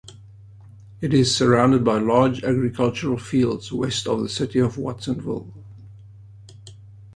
It is surrounded by large agricultural fields west of the city of Watsonville.